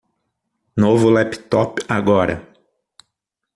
Novo laptop agora